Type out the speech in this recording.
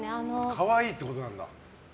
可愛いってことなんだ。